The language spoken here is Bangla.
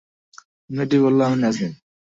মেয়েটি বলল, আমি নাজনীন।